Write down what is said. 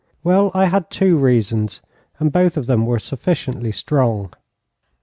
Well, I had two reasons, and both of them were sufficiently strong.